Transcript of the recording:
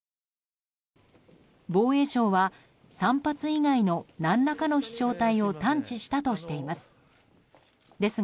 防衛省は３発以外の何らかの飛翔体を探知したとしています。